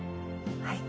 はい。